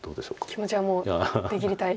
気持ちはもう出切りたい。